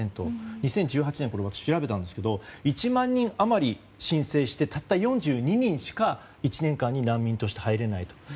２０１８年私、調べたんですが、１万人余り申請して、たった４２人しか１年間に難民として入れないと。